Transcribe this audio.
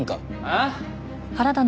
ああ？